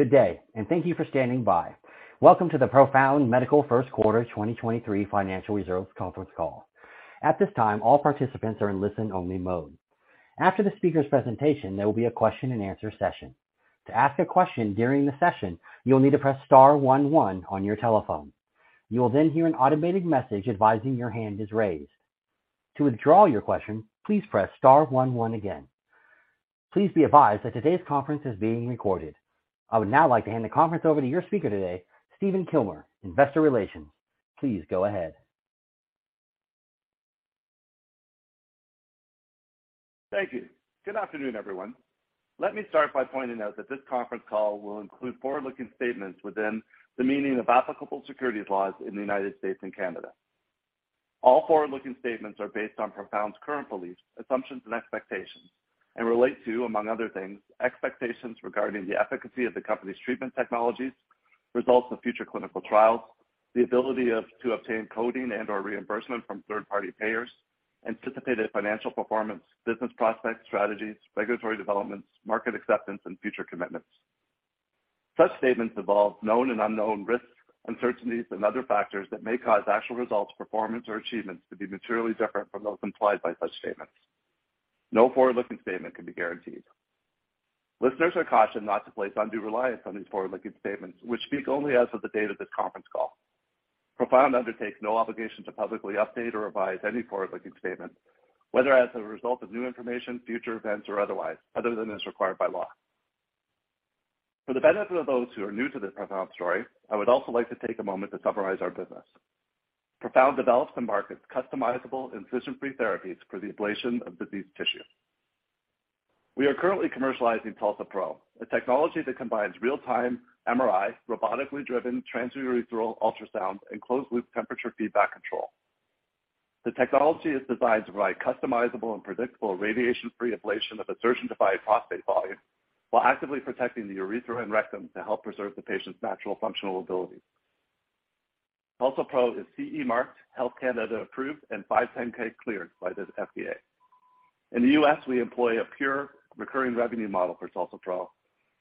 Good day, thank you for standing by. Welcome to the Profound Medical First Quarter 2023 Financial Results Conference Call. At this time, all participants are in listen-only mode. After the speaker's presentation, there will be a question-and-answer session. To ask a question during the session, you will need to press star 1 1 on your telephone. You will then hear an automated message advising your hand is raised. To withdraw your question, please press star 1 1 again. Please be advised that today's conference is being recorded. I would now like to hand the conference over to your speaker today, Stephen Kilmer, Investor Relations. Please go ahead. Thank you. Good afternoon, everyone. Let me start by pointing out that this conference call will include forward-looking statements within the meaning of applicable securities laws in the United States and Canada. All forward-looking statements are based on Profound's current beliefs, assumptions, and expectations and relate to, among other things, expectations regarding the efficacy of the company's treatment technologies, results of future clinical trials, the ability to obtain coding and/or reimbursement from third-party payers, anticipated financial performance, business prospects, strategies, regulatory developments, market acceptance, and future commitments. Such statements involve known and unknown risks, uncertainties, and other factors that may cause actual results, performance, or achievements to be materially different from those implied by such statements. No forward-looking statement can be guaranteed. Listeners are cautioned not to place undue reliance on these forward-looking statements which speak only as of the date of this conference call. Profound undertakes no obligation to publicly update or revise any forward-looking statements, whether as a result of new information, future events, or otherwise, other than as required by law. For the benefit of those who are new to the Profound story, I would also like to take a moment to summarize our business. Profound develops and markets customizable incision-free therapies for the ablation of diseased tissue. We are currently commercializing TULSA-PRO, a technology that combines real-time MRI, robotically driven transurethral ultrasounds, and closed-loop temperature feedback control. The technology is designed to provide customizable and predictable radiation-free ablation of a surgeon-defined prostate volume while actively protecting the urethra and rectum to help preserve the patient's natural functional ability. TULSA-PRO is CE marked, Health Canada approved, and 510K cleared by the FDA. In the U.S., we employ a pure recurring revenue model for TULSA-PRO,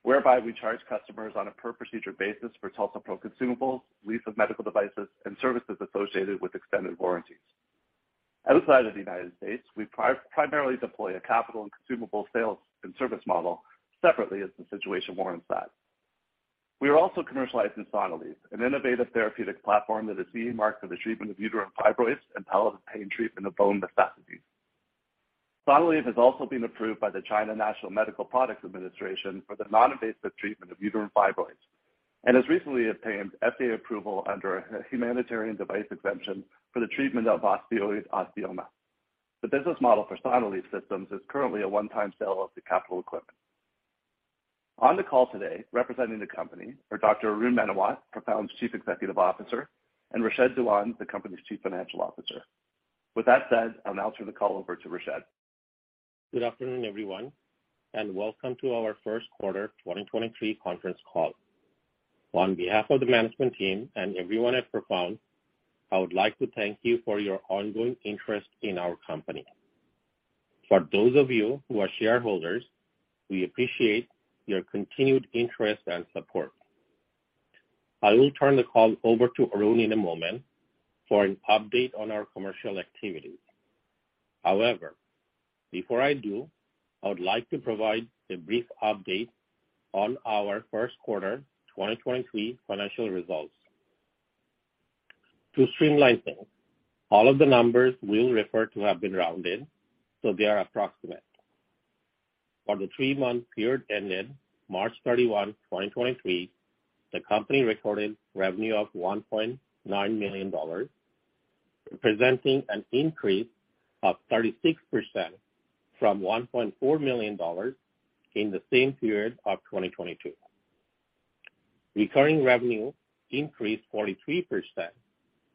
whereby we charge customers on a per-procedure basis for TULSA-PRO consumables, lease of medical devices, and services associated with extended warranties. Outside of the United States, we primarily deploy a capital and consumable sales and service model separately as the situation warrants that. We are also commercializing Sonalleve, an innovative therapeutic platform that is CE marked for the treatment of uterine fibroids and pelvic pain treatment of bone metastases. Sonalleve has also been approved by the China National Medical Products Administration for the non-invasive treatment of uterine fibroids and has recently obtained FDA approval under Humanitarian Device Exemption for the treatment of osteoid osteoma. The business model for Sonalleve systems is currently a one-time sale of the capital equipment. On the call today, representing the company are Dr. Arun Menawat, Profound's Chief Executive Officer, and Rashed Dewan, the company's Chief Financial Officer. With that said, I'll now turn the call over to Rashed. Good afternoon, everyone. Welcome to our Q1 2023 conference call. On behalf of the management team and everyone at Profound, I would like to thank you for your ongoing interest in our company. For those of you who are shareholders, we appreciate your continued interest and support. I will turn the call over to Arun in a moment for an update on our commercial activities. Before I do, I would like to provide a brief update on our Q1 2023 financial results. To streamline things, all of the numbers we'll refer to have been rounded, so they are approximate. For the three-month period ended March 31, 2023, the company recorded revenue of $1.9 million, representing an increase of 36% from $1.4 million in the same period of 2022. Recurring revenue increased 43%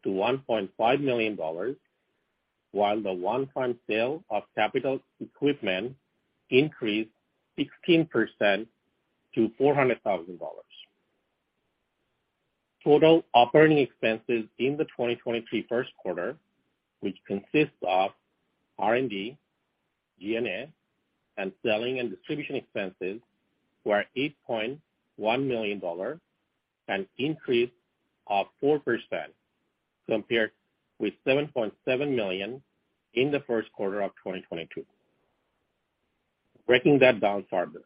to $1.5 million, while the one-time sale of capital equipment increased 16% to $400,000. Total operating expenses in the 2023 Q1, which consists of R&D, G&A, and selling and distribution expenses, were $8.1 million, an increase of 4% compared with $7.7 million in the Q1 of 2022. Breaking that down further.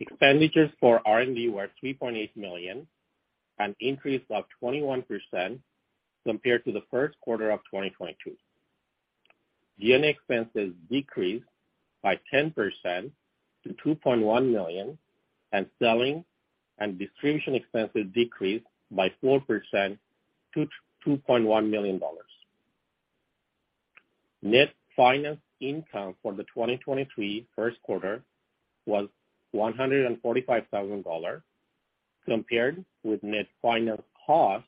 Expenditures for R&D were $3.8 million, an increase of 21% compared to the Q1 of 2022. G&A expenses decreased by 10% to $2.1 million, and selling and distribution expenses decreased by 4% to $2.1 million. Net finance income for the 2023 Q1 was $145,000 compared with net finance cost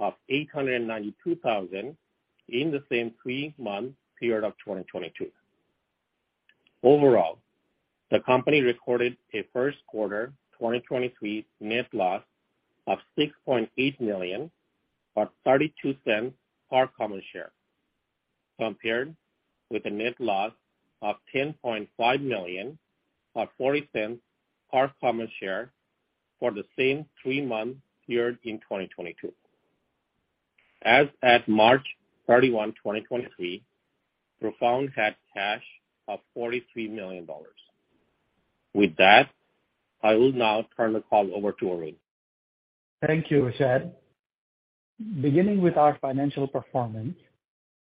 of $892,000 in the same three-month period of 2022. Overall, the company recorded a Q1 2023 net loss of $6.8 million, or $0.32 per common share. Compared with a net loss of $10.5 million or $0.40 per common share for the same three-month period in 2022. As at March 31, 2023, Profound had cash of $43 million. With that, I will now turn the call over to Arun. Thank you, Rashed. Beginning with our financial performance,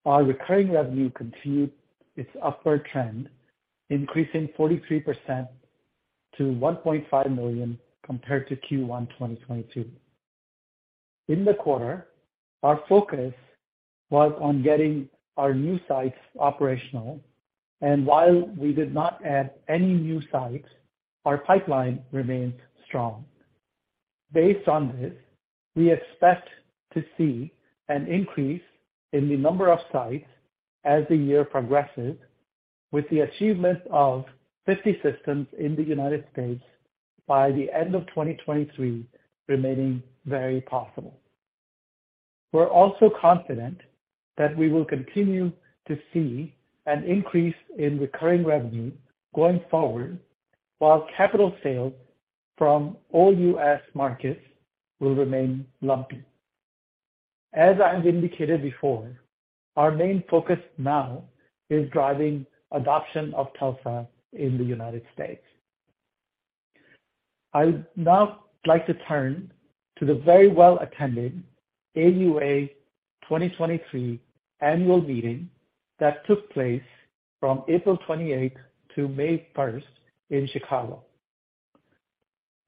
our recurring revenue continued its upward trend, increasing 43% to $1.5 million compared to Q1 2022. In the quarter, our focus was on getting our new sites operational. While we did not add any new sites, our pipeline remains strong. Based on this, we expect to see an increase in the number of sites as the year progresses, with the achievement of 50 systems in the United States by the end of 2023 remaining very possible. We're also confident that we will continue to see an increase in recurring revenue going forward, while capital sales from all U.S. markets will remain lumpy. As I have indicated before, our main focus now is driving adoption of TULSA in the United States. I would now like to turn to the very well-attended AUA 2023 annual meeting that took place from April 28 to May 1 in Chicago.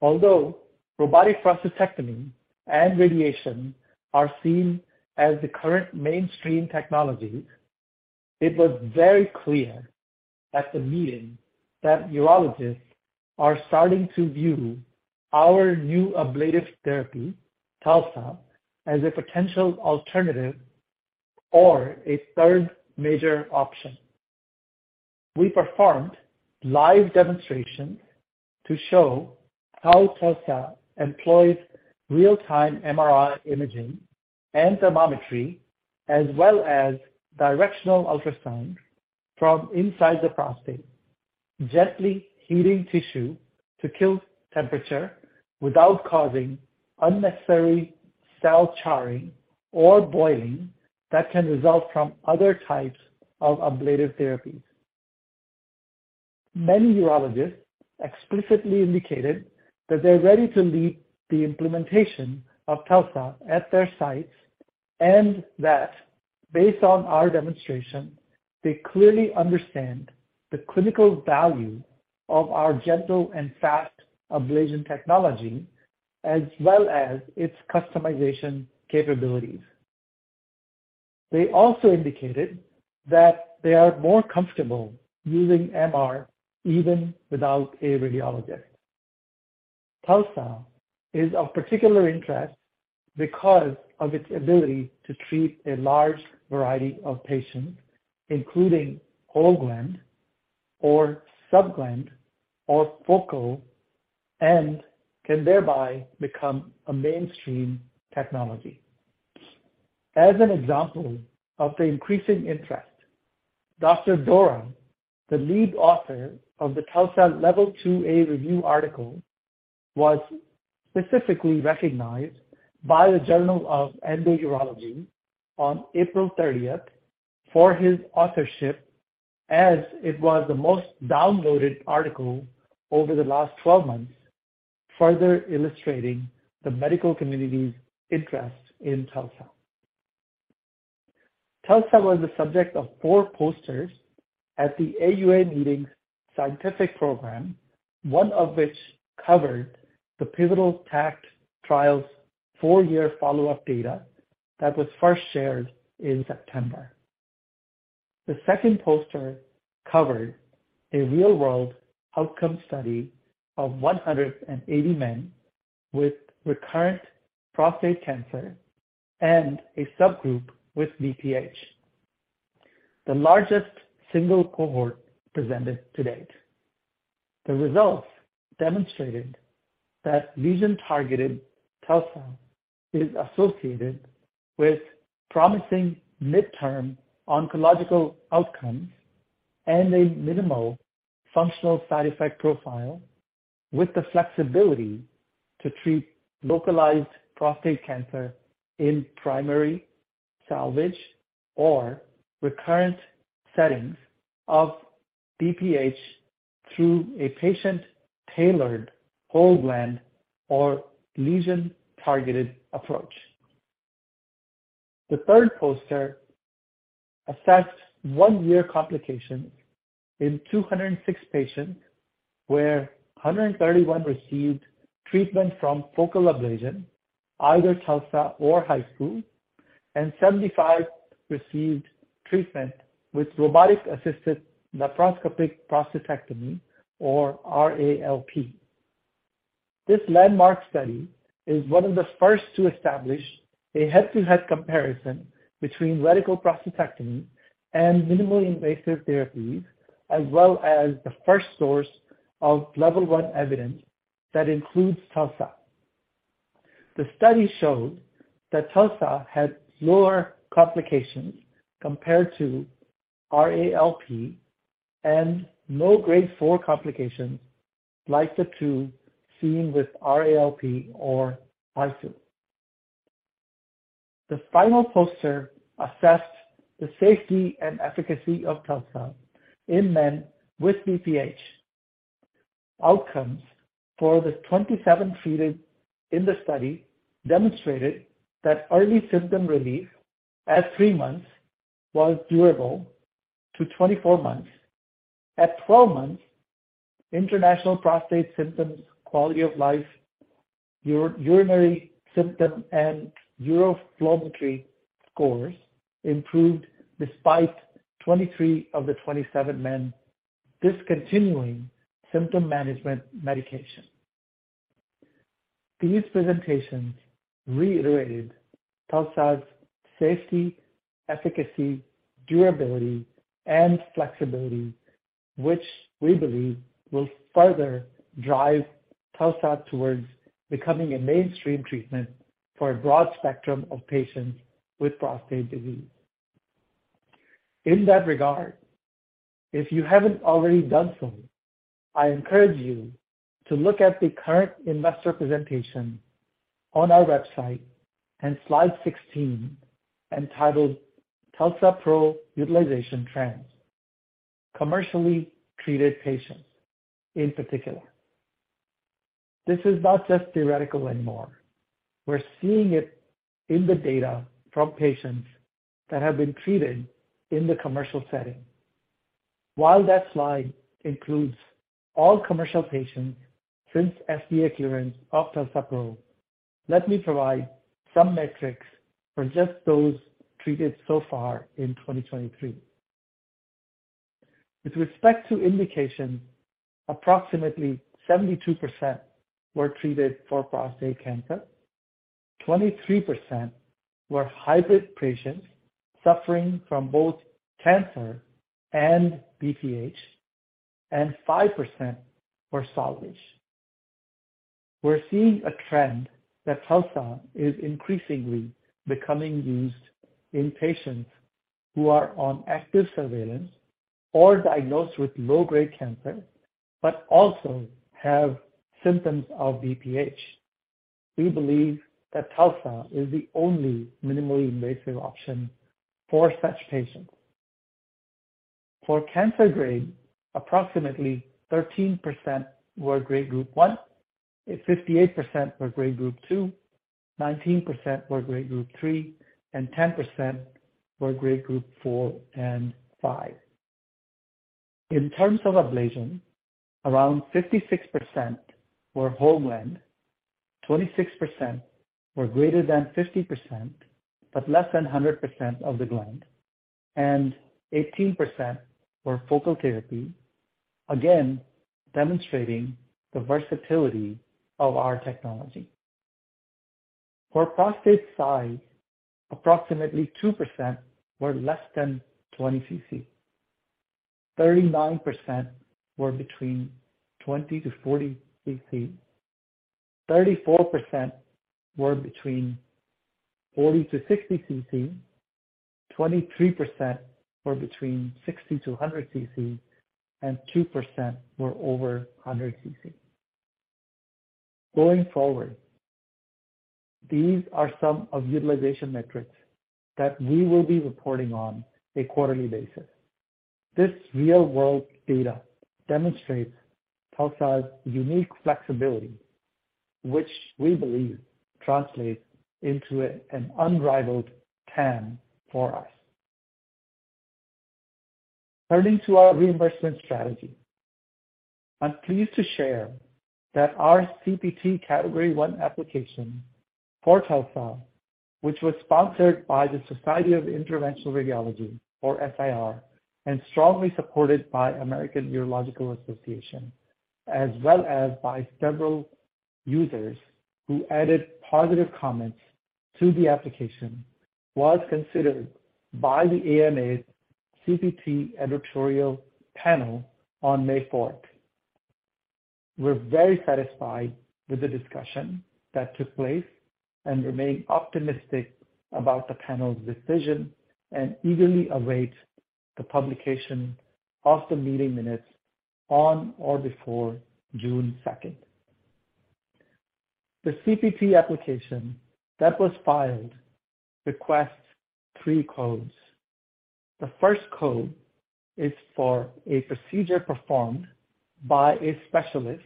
Although robotic prostatectomy and radiation are seen as the current mainstream technologies, it was very clear at the meeting that urologists are starting to view our new ablative therapy, TULSA, as a potential alternative or a third major option. We performed live demonstrations to show how TULSA employs real-time MRI imaging and thermometry, as well as directional ultrasound from inside the prostate, gently heating tissue to kill temperature without causing unnecessary cell charring or boiling that can result from other types of ablative therapies. Many urologists explicitly indicated that they're ready to lead the implementation of TULSA at their sites, based on our demonstration, they clearly understand the clinical value of our gentle and fast ablation technology, as well as its customization capabilities. They also indicated that they are more comfortable using MR even without a radiologist. TULSA is of particular interest because of its ability to treat a large variety of patients, including whole gland or sub gland or focal, can thereby become a mainstream technology. As an example of the increasing interest, Dr. Dorum, the lead author of the TULSA level two A review article, was specifically recognized by the Journal of Endourology on April 30th for his authorship as it was the most downloaded article over the last 12 months, further illustrating the medical community's interest in TULSA. TULSA was the subject of four posters at the AUA meeting scientific program, one of which covered the pivotal TACT trial's four-year follow-up data that was first shared in September. The second poster covered a real-world outcome study of 180 men with recurrent prostate cancer and a subgroup with BPH. The largest single cohort presented to date. The results demonstrated that lesion-targeted TULSA is associated with promising midterm oncological outcomes and a minimal functional side effect profile with the flexibility to treat localized prostate cancer in primary salvage or recurrent settings of BPH through a patient-tailored whole gland or lesion-targeted approach. The third poster assessed 1-year complications in 206 patients, where 131 received treatment from focal ablation, either TULSA or HIFU, and 75 received treatment with robotic-assisted laparoscopic prostatectomy or RALP. This landmark study is one of the first to establish a head-to-head comparison between radical prostatectomy and minimally invasive therapies, as well as the first source of level 1 evidence that includes TULSA. The study showed that TULSA had lower complications compared to RALP and no grade four complications like the two seen with RALP or HIFU. The final poster assessed the safety and efficacy of TULSA in men with BPH. Outcomes for the 27 treated in the study demonstrated that early symptom relief at 3 months was durable to 24 months. At 12 months, international prostate symptoms, quality of life, urinary symptom, and uroflowmetry scores improved despite 23 of the 27 men discontinuing symptom management medication. These presentations reiterated TULSA's safety, efficacy, durability, and flexibility, which we believe will further drive TULSA towards becoming a mainstream treatment for a broad spectrum of patients with prostate disease. In that regard, if you haven't already done so, I encourage you to look at the current investor presentation on our website and slide 16, entitled TULSA-PRO Utilization Trends Commercially Treated Patients in particular. This is not just theoretical anymore. We're seeing it in the data from patients that have been treated in the commercial setting. While that slide includes all commercial patients since FDA clearance of TULSA-PRO, let me provide some metrics for just those treated so far in 2023. With respect to indication, approximately 72% were treated for prostate cancer, 23% were hybrid patients suffering from both cancer and BPH, and 5% were salvage. We're seeing a trend that TULSA is increasingly becoming used in patients who are on active surveillance or diagnosed with low-grade cancer, but also have symptoms of BPH. We believe that TULSA is the only minimally invasive option for such patients. For cancer grade, approximately 13% were grade group 1, 58% were grade group two, 19% were grade group three, and 10% were grade group four and five. In terms of ablation, around 56% were whole gland, 26% were greater than 50%, but less than 100% of the gland, and 18% were focal therapy, again, demonstrating the versatility of our technology. For prostate size, approximately 2% were less than 20 CC, 39% were between 20-40 CC, 34% were between 40-60 CC, 23% were between 60-100 CC, and 2% were over 100 CC. Going forward, these are some of the utilization metrics that we will be reporting on a quarterly basis. This real-world data demonstrates TULSA's unique flexibility, which we believe translates into an unrivaled TAM for us. Turning to our reimbursement strategy, I'm pleased to share that our CPT Category I application for TULSA, which was sponsored by the Society of Interventional Radiology, or SIR, and strongly supported by American Urological Association, as well as by several users who added positive comments to the application, was considered by the AMA's CPT Editorial Panel on May 4th. We're very satisfied with the discussion that took place and remain optimistic about the panel's decision, eagerly await the publication of the meeting minutes on or before June 2nd. The CPT application that was filed requests three codes. The first code is for a procedure performed by a specialist,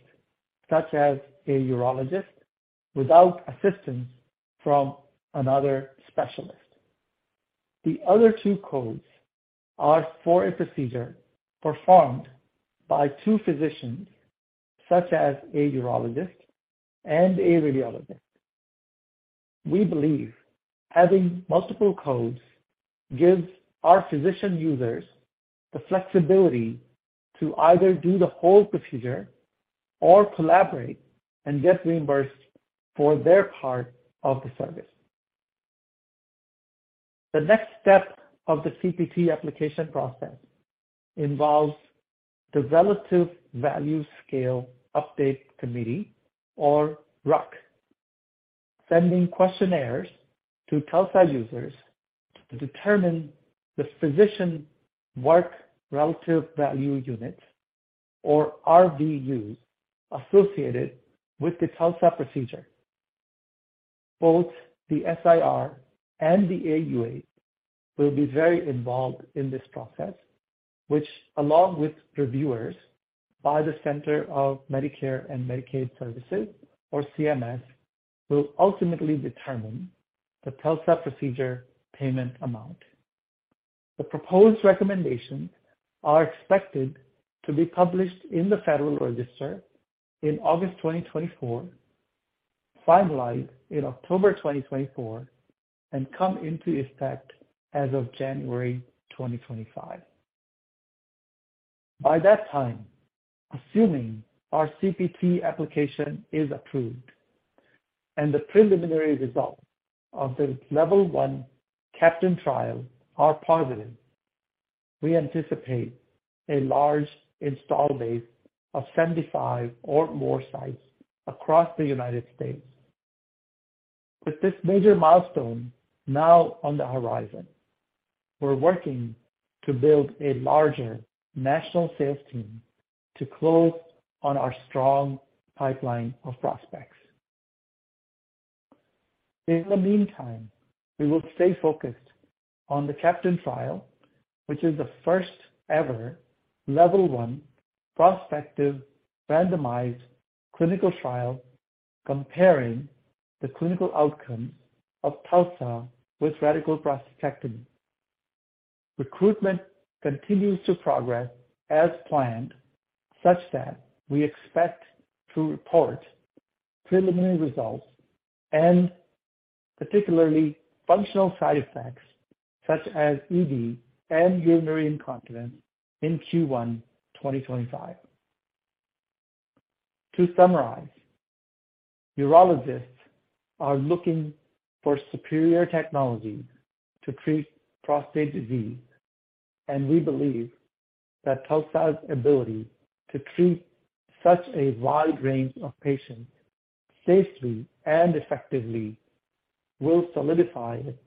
such as a urologist, without assistance from another specialist. The other two codes are for a procedure performed by two physicians, such as a urologist and a radiologist. We believe having multiple codes gives our physician users the flexibility to either do the whole procedure or collaborate and get reimbursed for their part of the service. The next step of the CPT application process involves the Relative Value Scale Update Committee, or RUC, sending questionnaires to TULSA users to determine the physician work relative value unit, or RVU, associated with the TULSA procedure. Both the SIR and the AUA will be very involved in this process, which, along with reviewers by the Centers for Medicare & Medicaid Services, or CMS, will ultimately determine the TULSA procedure payment amount. The proposed recommendations are expected to be published in the Federal Register in August 2024, finalized in October 2024, and come into effect as of January 2025. By that time, assuming our CPT application is approved and the preliminary results of the level 1 CAPTAIN trial are positive, we anticipate a large install base of 75 or more sites across the United States. With this major milestone now on the horizon, we're working to build a larger national sales team to close on our strong pipeline of prospects. In the meantime, we will stay focused on the CAPTAIN trial, which is the first-ever level 1 prospective randomized clinical trial comparing the clinical outcomes of TULSA with radical prostatectomy. Recruitment continues to progress as planned, such that we expect to report preliminary results and particularly functional side effects such as ED and urinary incontinence in Q1 2025. To summarize, urologists are looking for superior technologies to treat prostate disease, and we believe that TULSA's ability to treat such a wide range of patients safely and effectively will solidify it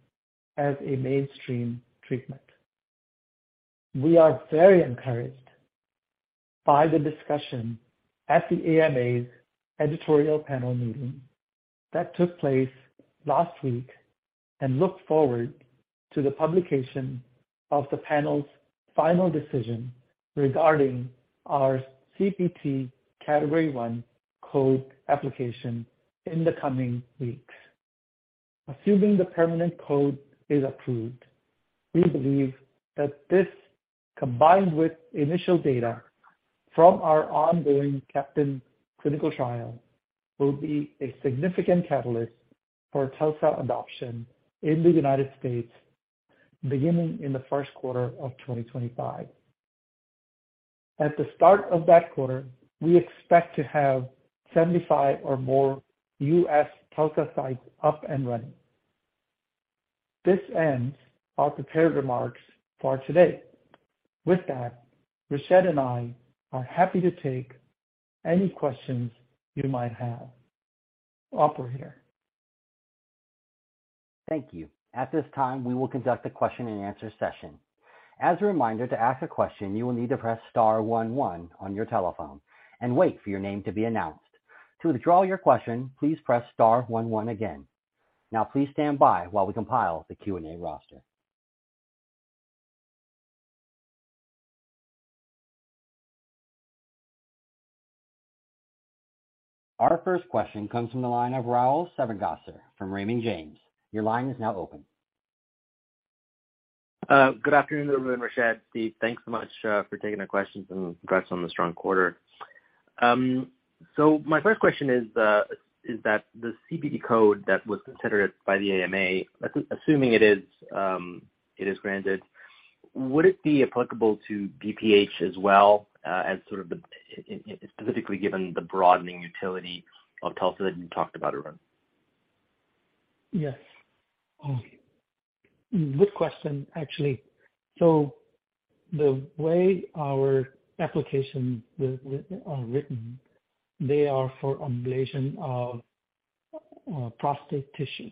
as a mainstream treatment. We are very encouraged by the discussion at the AMA's editorial panel meeting that took place last week and look forward to the publication of the panel's final decision regarding our CPT Category I code application in the coming weeks. Assuming the permanent code is approved, we believe that this, combined with initial data from our ongoing CAPTAIN clinical trial, will be a significant catalyst for TULSA adoption in the United States beginning in the Q1 of 2025. At the start of that quarter, we expect to have 75 or more U.S. TULSA sites up and running. This ends our prepared remarks for today. With that, Rashed and I are happy to take any questions you might have. Operator. Thank you. At this time, we will conduct a question-and-answer session. As a reminder, to ask a question, you will need to press star one one on your telephone and wait for your name to be announced. To withdraw your question, please press star one one again. Now, please stand by while we compile the Q&A roster. Our first question comes from the line of Rahul Sarugaser from Raymond James. Your line is now open. Good afternoon, Arun, Rashed, Steve. Thanks so much for taking the questions and congrats on the strong quarter. My first question is that the CPT code that was considered by the AMA, assuming it is granted, would it be applicable to BPH as well, as sort of the specifically given the broadening utility of TULSA that you talked about, Arun? Yes. Good question, actually. The way our applications are written, they are for ablation of prostate tissue.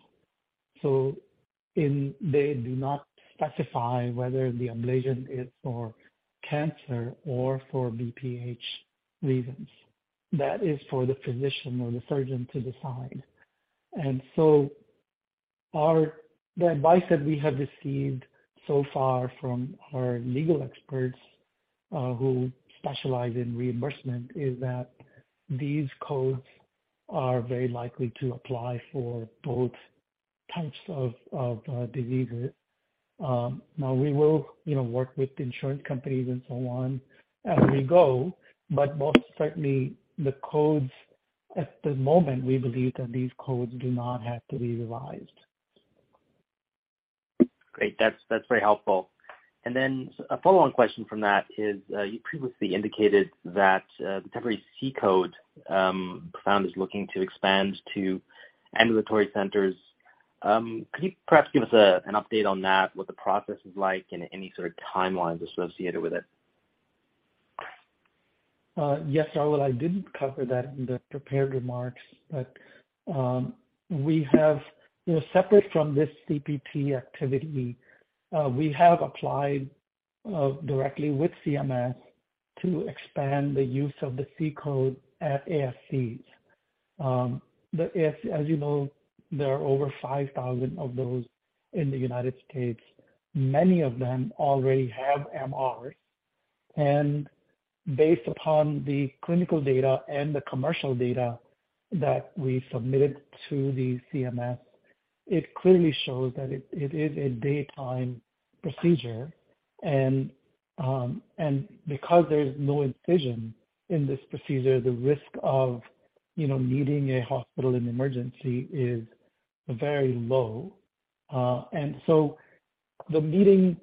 They do not specify whether the ablation is for cancer or for BPH reasons. That is for the physician or the surgeon to decide. The advice that we have received so far from our legal experts who specialize in reimbursement is that these codes are very likely to apply for both types of diseases. Now we will, you know, work with insurance companies and so on as we go. Most certainly the codes at the moment, we believe that these codes do not have to be revised. Great. That's very helpful. A follow-on question from that is, you previously indicated that the temporary C-code, Profound is looking to expand to ambulatory centers. Could you perhaps give us an update on that, what the process is like and any sort of timelines associated with it? Yes, I would. I didn't cover that in the prepared remarks. You know, separate from this CPT activity, we have applied directly with CMS to expand the use of the C-code at ASCs. As you know, there are over 5,000 of those in the United States. Many of them already have MRs. Based upon the clinical data and the commercial data that we submitted to the CMS, it clearly shows that it is a daytime procedure. Because there's no incision in this procedure, the risk of, you know, needing a hospital in emergency is very low. The meeting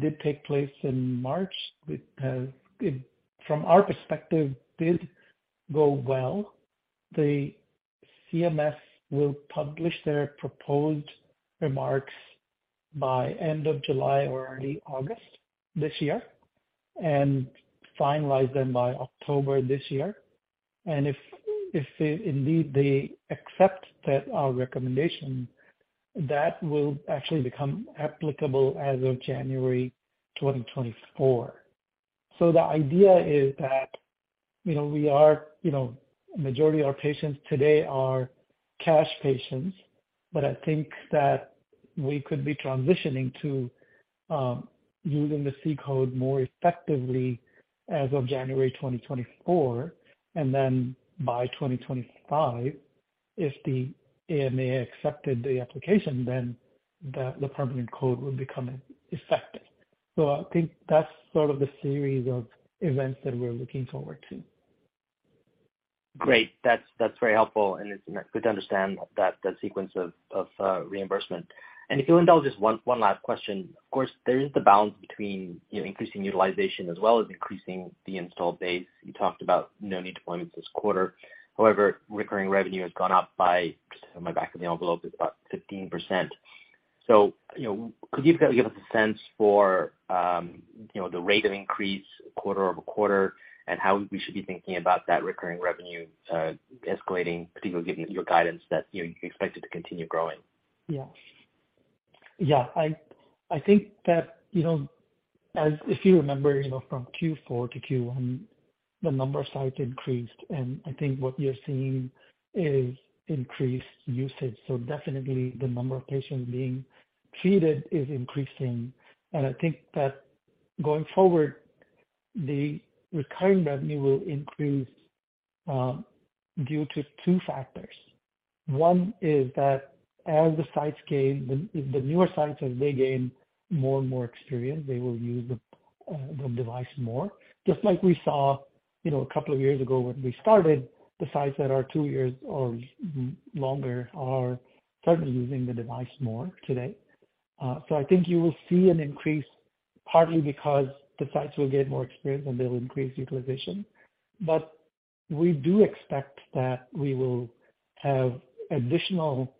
did take place in March, which, from our perspective, did go well. The CMS will publish their proposed remarks by end of July or early August this year and finalize them by October this year. If, indeed they accept that, our recommendation, that will actually become applicable as of January 2024. The idea is that, you know, we are, you know, majority of our patients today are cash patients, but I think that we could be transitioning to using the C-code more effectively as of January 2024. By 2025, if the AMA accepted the application, then the permanent code will become effective. I think that's sort of the series of events that we're looking forward to. Great. That's very helpful, and it's good to understand that sequence of reimbursement. If you'll indulge just one last question. Of course, there is the balance between, you know, increasing utilization as well as increasing the installed base. You talked about no new deployments this quarter. However, recurring revenue has gone up by, just on my back of the envelope, it's about 15%. You know, could you perhaps give us a sense for, you know, the rate of increase quarter-over-quarter and how we should be thinking about that recurring revenue escalating, particularly given your guidance that, you know, you expect it to continue growing? Yeah. Yeah. I think that, you know, as if you remember, you know, from Q4 to Q1, the number of sites increased. I think what you're seeing is increased usage. Definitely the number of patients being treated is increasing. I think that going forward, the recurring revenue will increase due to two factors. One is that as the newer sites, as they gain more and more experience, they will use the device more. Just like we saw, you know, a couple of years ago when we started, the sites that are two years or longer are certainly using the device more today. I think you will see an increase, partly because the sites will gain more experience, they'll increase utilization. We do expect that we will have additional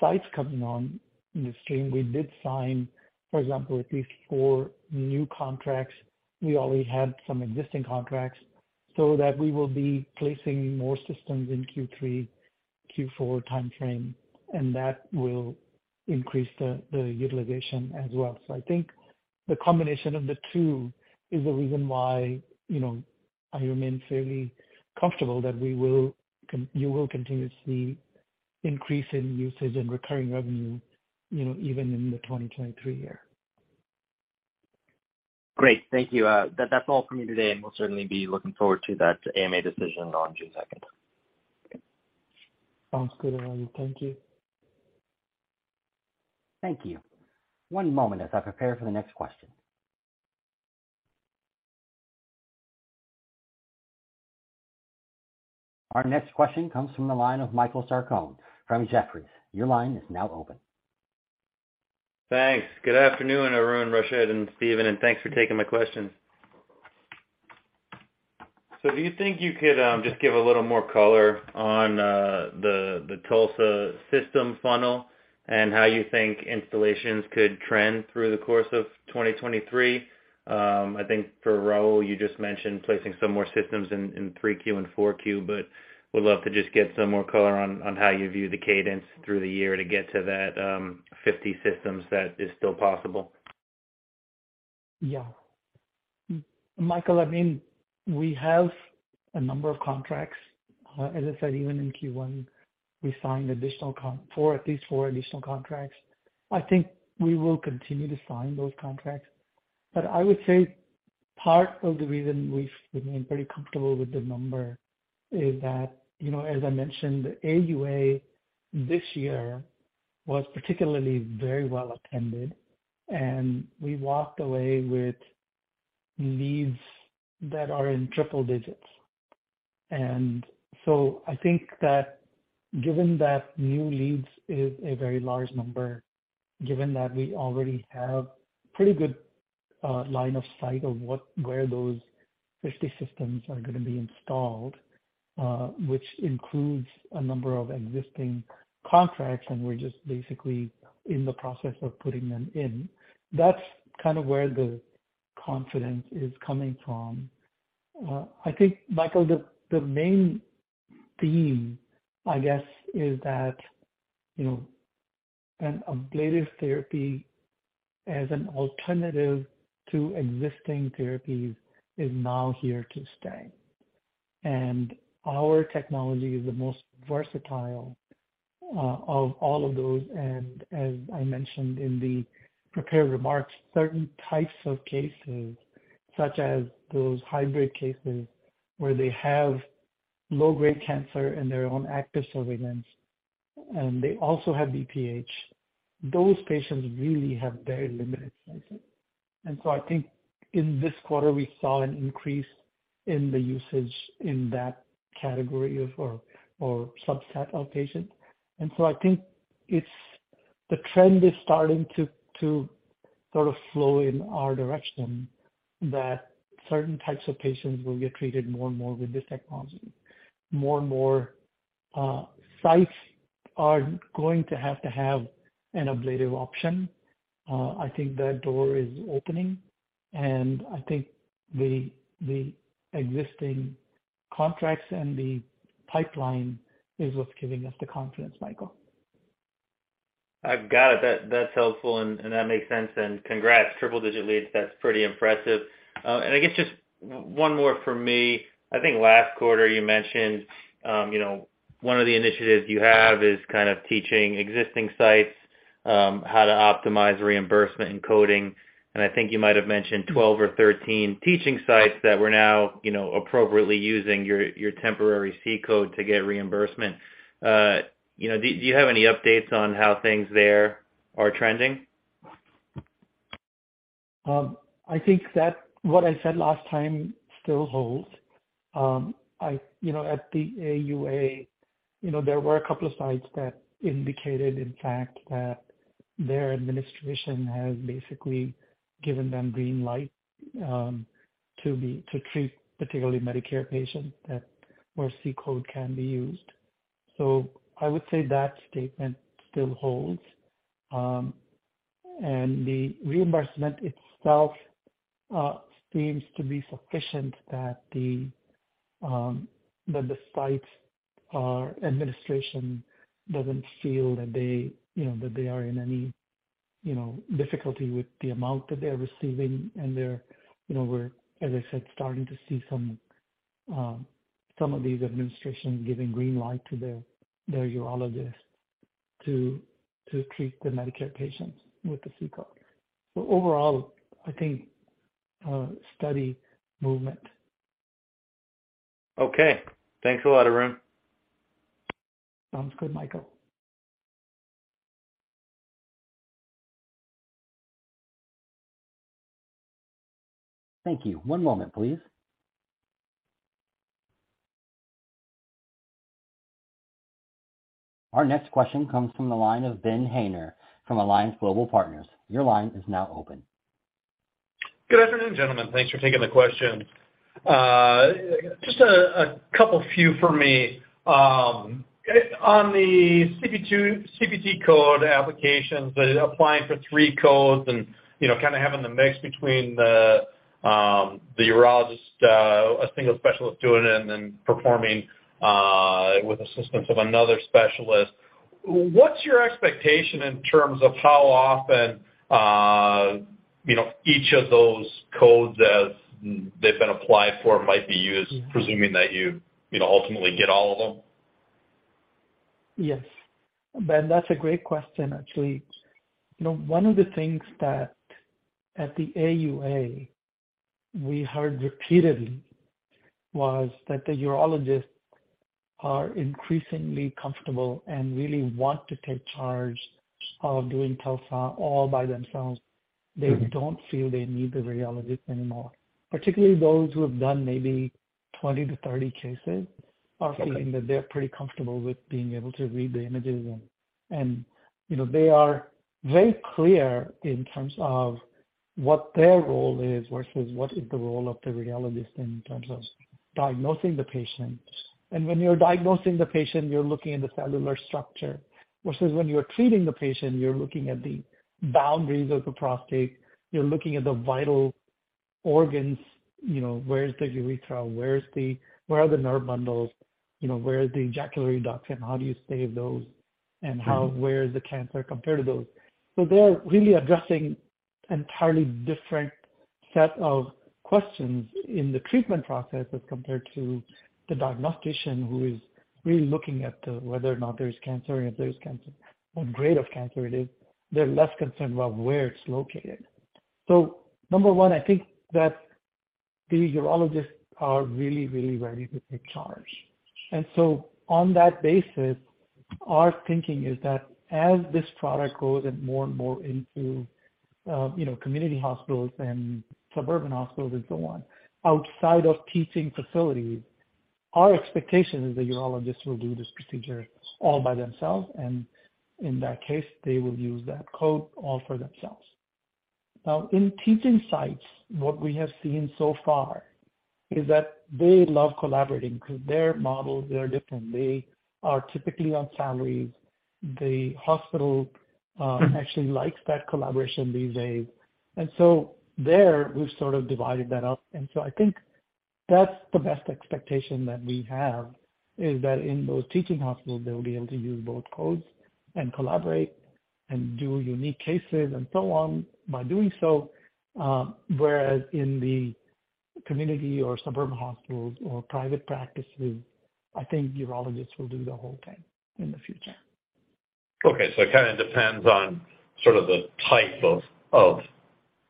sites coming on in the stream. We did sign, for example, at least four new contracts. We already had some existing contracts, that we will be placing more systems in Q3, Q4 timeframe, that will increase the utilization as well. I think the combination of the two is the reason why, you know, I remain fairly comfortable that we will continue to see increase in usage and recurring revenue, you know, even in the 2023 year. Great. Thank you. That, that's all for me today, and we'll certainly be looking forward to that AMA decision on June second. Sounds good, Arun. Thank you. Thank you. One moment as I prepare for the next question. Our next question comes from the line of Michael Sarcone from Jefferies. Your line is now open. Thanks. Good afternoon, Arun, Rashed, and Stephen, thanks for taking my questions. Do you think you could just give a little more color on the TULSA system funnel and how you think installations could trend through the course of 2023? I think for Raul, you just mentioned placing some more systems in 3Q and 4Q. Would love to just get some more color on how you view the cadence through the year to get to that 50 systems, that is still possible. Yeah. Michael, I mean, we have a number of contracts. As I said, even in Q1, we signed at least four additional contracts. I think we will continue to sign those contracts. I would say part of the reason we've remained very comfortable with the number is that, you know, as I mentioned, the AUA this year was particularly very well attended, and we walked away with leads that are in triple digits. I think that given that new leads is a very large number, given that we already have pretty good line of sight of where those 50 systems are gonna be installed, which includes a number of existing contracts, and we're just basically in the process of putting them in. That's kind of where the confidence is coming from. I think, Michael, the main theme, I guess, is that, you know, an ablative therapy as an alternative to existing therapies is now here to stay. Our technology is the most versatile of all of those. As I mentioned in the prepared remarks, certain types of cases, such as those hybrid cases where they have low-grade cancer and they're on active surveillance, and they also have BPH. Those patients really have very limited choices. I think in this quarter, we saw an increase in the usage in that category of or subset of patients. I think it's the trend is starting to sort of flow in our direction, that certain types of patients will get treated more and more with this technology. More and more sites are going to have to have an ablative option. I think that door is opening. I think the existing contracts and the pipeline is what's giving us the confidence, Michael. I've got it. That's helpful and that makes sense. Congrats. Triple-digit leads, that's pretty impressive. I guess just one more for me. I think last quarter you mentioned, you know, one of the initiatives you have is kind of teaching existing sites, how to optimize reimbursement and coding. I think you might have mentioned 12 or 13 teaching sites that were now, you know, appropriately using your temporary C-code to get reimbursement. You know, do you have any updates on how things there are trending? I think that what I said last time still holds. I, you know, at the AUA, you know, there were a couple of sites that indicated, in fact, that their administration has basically given them green light to treat, particularly Medicare patients that, where C-code can be used. I would say that statement still holds. The reimbursement itself seems to be sufficient that the, that the sites or administration doesn't feel that they, you know, that they are in any, you know, difficulty with the amount that they're receiving. They're, you know, we're, as I said, starting to see some of these administration giving green light to their urologists to treat the Medicare patients with the C-code. Overall, I think steady movement. Okay. Thanks a lot, Arun. Sounds good, Michael. Thank you. One moment, please. Our next question comes from the line of Ben Haynor from Alliance Global Partners. Your line is now open. Good afternoon, gentlemen. Thanks for taking the question. Just a couple few for me. On the CPT code applications that is applying for three codes and, you know, kind of having the mix between the urologist, a single specialist doing it and then performing with assistance of another specialist. What's your expectation in terms of how often, you know, each of those codes as they've been applied for might be used, presuming that you know, ultimately get all of them? Yes. Ben Haynor, that's a great question, actually. You know, one of the things that at the AUA we heard repeatedly was that the urologists are increasingly comfortable and really want to take charge of doing TULSA all by themselves. They don't feel they need the radiologist anymore. Particularly those who have done maybe 20 to 30 cases are feeling that they're pretty comfortable with being able to read the images and, you know, they are very clear in terms of what their role is versus what is the role of the radiologist in terms of diagnosing the patient. When you're diagnosing the patient, you're looking at the cellular structure. Versus when you're treating the patient, you're looking at the boundaries of the prostate, you're looking at the vital organs, you know, where is the urethra? Where are the nerve bundles? You know, where is the ejaculatory duct and how do you save those? How, where is the cancer compared to those? They're really addressing entirely different set of questions in the treatment process as compared to the diagnostician who is really looking at the whether or not there is cancer and if there is cancer, what grade of cancer it is. They're less concerned about where it's located. Number one, I think that the urologists are really, really ready to take charge. On that basis, our thinking is that as this product goes in more and more into, you know, community hospitals and suburban hospitals and so on, outside of teaching facilities, our expectation is that urologists will do this procedure all by themselves, and in that case, they will use that code all for themselves. In teaching sites, what we have seen so far is that they love collaborating because their models, they are different. They are typically on salaries. The hospital actually likes that collaboration these days. There, we've sort of divided that up. I think that's the best expectation that we have, is that in those teaching hospitals, they'll be able to use both codes and collaborate and do unique cases and so on by doing so. Whereas in the community or suburban hospitals or private practices, I think urologists will do the whole thing in the future. Okay. It kinda depends on sort of the type of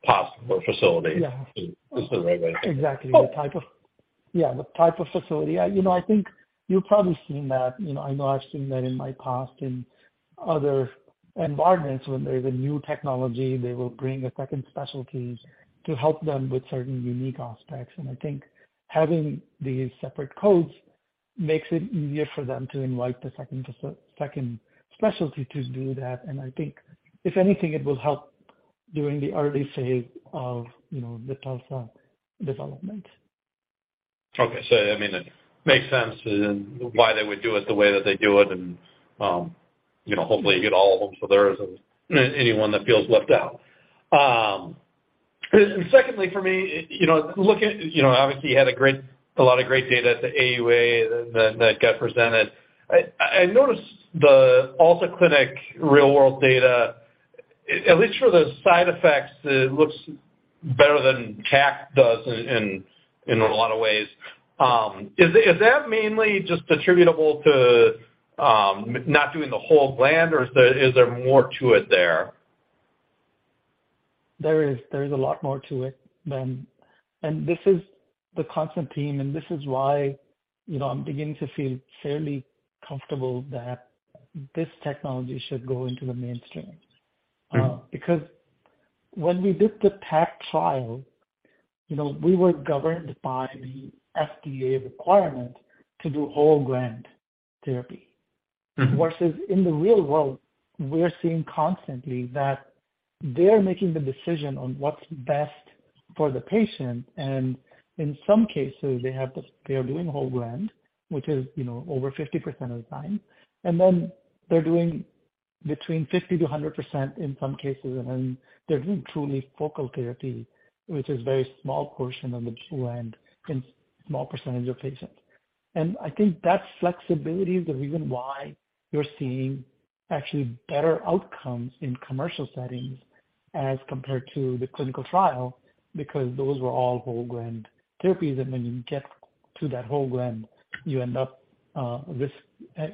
possible facility. Yeah. Is the right way. Exactly. Oh. Yeah, the type of facility. I, you know, I think you've probably seen that. You know, I know I've seen that in my past in other environments. When there's a new technology, they will bring a second specialties to help them with certain unique aspects. I think having these separate codes makes it easier for them to invite the second specialty to do that. I think if anything, it will help during the early phase of, you know, the TULSA development. Okay. I mean, it makes sense why they would do it the way that they do it and, you know, hopefully you get all of them, so there isn't anyone that feels left out. Secondly, for me, you know, looking, you know, obviously you had a great, a lot of great data at the AUA that got presented. I noticed the ALSAC real-world data, at least for the side effects, it looks better than TACT does in a lot of ways. Is that mainly just attributable to not doing the whole gland, or is there more to it there? There is a lot more to it than. This is the constant theme, and this is why, you know, I'm beginning to feel fairly comfortable that this technology should go into the mainstream. Mm-hmm. Because when we did the TACT trial, you know, we were governed by the FDA requirement to do whole gland therapy. Mm-hmm. Versus in the real world, we're seeing constantly that they're making the decision on what's best for the patient. In some cases, they are doing whole gland, which is, you know, over 50% of the time. Then they're doing between 50%-100% in some cases. Then they're doing truly focal therapy, which is a very small portion of the gland in small percentage of patients. I think that flexibility is the reason why you're seeing actually better outcomes in commercial settings as compared to the clinical trial, because those were all whole gland therapies. When you get to that whole gland, you end up risk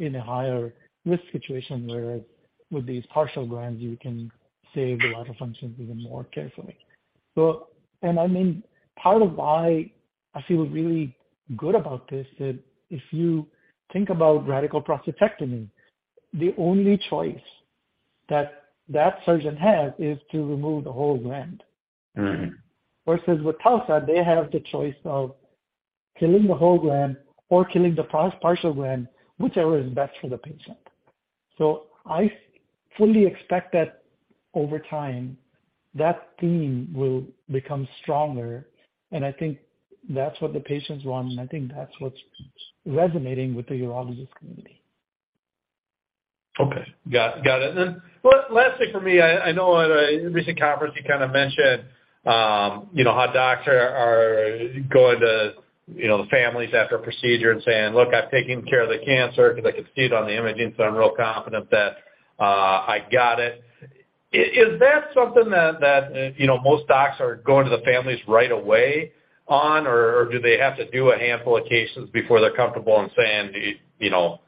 in a higher risk situation. Whereas with these partial glands, you can save the lot of functions even more carefully. I mean, part of why I feel really good about this is if you think about radical prostatectomy, the only choice that that surgeon has is to remove the whole gland. Mm-hmm. With TULSA, they have the choice of killing the whole gland or killing the partial gland, whichever is best for the patient. I fully expect that over time, that theme will become stronger, and I think that's what the patients want, and I think that's what's resonating with the urologist community. Okay. Got it. Last thing for me, I know at a recent conference you kinda mentioned, you know, how doctor are going to, you know, the families after a procedure and saying, "Look, I've taken care of the cancer 'cause I could see it on the imaging, so I'm real confident that I got it." Is that something that, you know, most docs are going to the families right away on, or do they have to do a handful of cases before they're comfortable in saying, you know,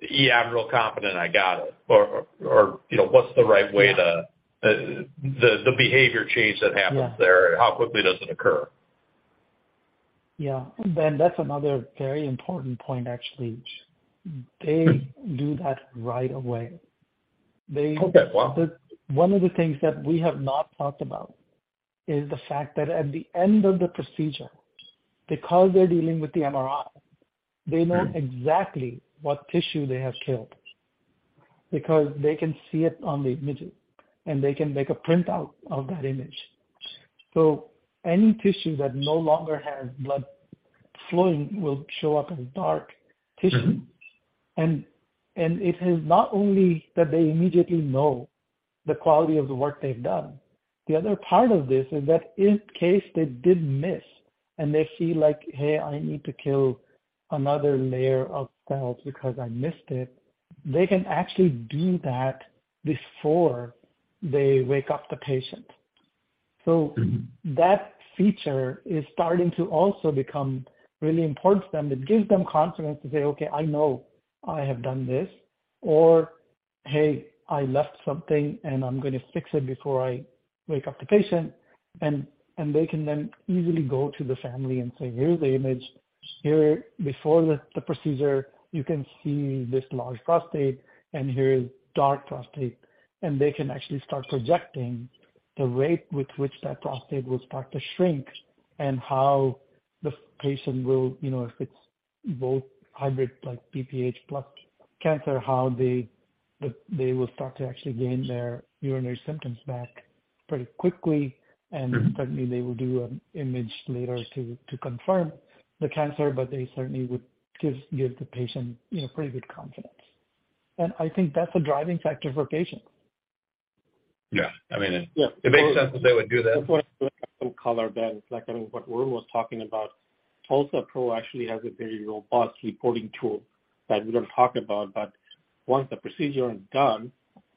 "Yeah, I'm real confident I got it?" Or, you know, what's the right way to The behavior change that happens there? Yeah. How quickly does it occur? Yeah. Ben, that's another very important point, actually. They do that right away. Okay. Wow. One of the things that we have not talked about is the fact that at the end of the procedure, because they're dealing with the MRI, they know exactly what tissue they have killed because they can see it on the imaging, and they can make a printout of that image. Any tissue that no longer has blood flowing will show up as dark tissue. Mm-hmm. It is not only that they immediately know the quality of the work they've done. The other part of this is that if case they did miss and they feel like, "Hey, I need to kill another layer of cells because I missed it," they can actually do that before they wake up the patient. That feature is starting to also become really important to them. It gives them confidence to say, "Okay, I know I have done this," or, "Hey, I left something, and I'm gonna fix it before I wake up the patient." They can then easily go to the family and say, "Here's the image. Here, before the procedure, you can see this large prostate, and here is dark prostate. They can actually start projecting the rate with which that prostate will start to shrink and how the patient will, you know, if it's both hybrid like BPH plus cancer, how they will start to actually gain their urinary symptoms back pretty quickly. Mm-hmm. Certainly they will do an image later to confirm the cancer, but they certainly would give the patient, you know, pretty good confidence. I think that's a driving factor for patients. Yeah. I mean, Yeah. It makes sense that they would do that. Before I call our then, like, I mean, what Arun was talking about, TULSA-PRO actually has a very robust reporting tool that we don't talk about, but once the procedure is done,